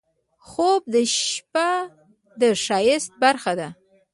خوب د شپه د ښایست برخه ده